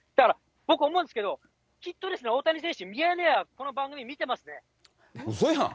僕、思うんですけど、きっとですね、大谷選手、ミヤネ屋、この番うそやん。